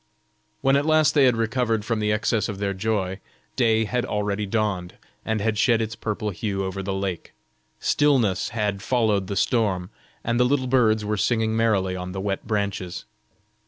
When at last they had recovered from the excess of their joy, day had already dawned, and had shed its purple hue over the lake; stillness had followed the storm, and the little birds were singing merrily on the wet branches.